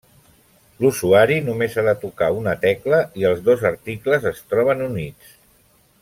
L'usuari només ha de tocar una tecla i els dos articles es troben units.